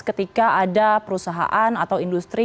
ketika ada perusahaan atau industri